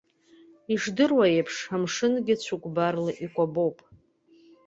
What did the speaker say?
Ишдыру еиԥш, амшынгьы цәыкәбарла еибаркуп.